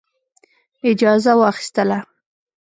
اجازه واخیستله.